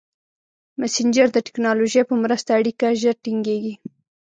مسېنجر د ټکنالوژۍ په مرسته اړیکه ژر ټینګېږي.